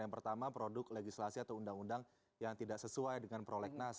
yang pertama produk legislasi atau undang undang yang tidak sesuai dengan prolegnas